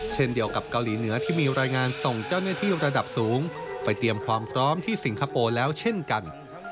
เช่นเดียวกับเกาหลีเหนือที่มีรายงานส่งเจ้าหน้าที่ระดับสูงไปเตรียมความพร้อมที่สิงคโปร์แล้วเช่นกัน